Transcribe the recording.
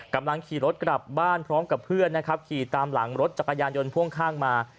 กำลังขี่รถกลับบ้านพร้อมกับเพื่อนนะครับขี่ตามหลังรถจักรยานยนต์พ่วงข้างมา